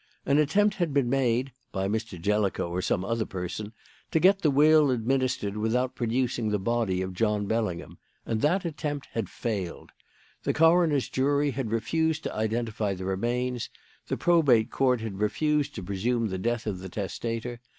An attempt had been made (by Mr. Jellicoe or some other person) to get the will administered without producing the body of John Bellingham; and that attempt had failed. The coroner's jury had refused to identify the remains; the Probate Court had refused to presume the death of the testator.